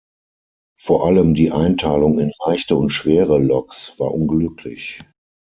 Vor allem die Einteilung in „leichte“ und „schwere“ Loks war unglücklich.